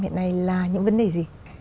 hiện nay là những vấn đề gì